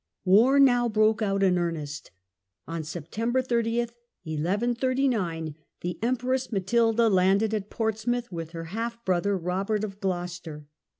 War now broke out in earnest. On September 30, 1 139, the Empress Matilda landed at Portsmouth with her half brother, Robert of Gloucester.